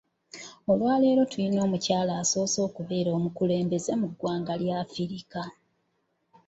Olwaleero tulina omukyala asoose okubeera omukulembeze mu ggwanga lya Afirika.